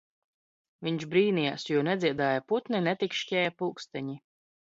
Viņš brīnījās, jo nedziedāja putni, netikšķēja pulksteņi.